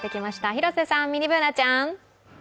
広瀬さん、ミニＢｏｏｎａちゃん。